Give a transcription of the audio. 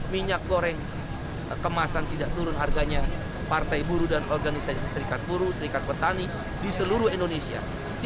minyak goreng kemasan tidak turun harganya partai buruh dan organisasi serikat buruh serikat petani di seluruh indonesia